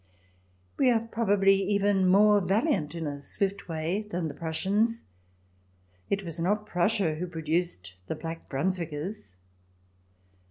We are probably even more valiant CH. XVI] SUBJECT RACES 215 in a swift way than the Prussians. It was not Prussia who produced the Black Brunswickers.